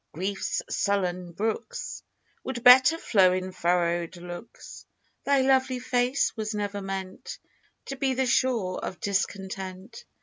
Grief's sullen brooks Would better flow in furrow'd looks: Thy lovely face was never meant To be the shore of discontent.